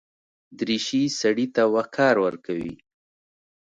دریشي سړي ته وقار ورکوي.